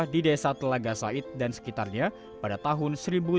di desa telaga said dan sekitarnya pada tahun seribu delapan ratus delapan puluh satu